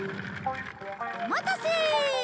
お待たせ！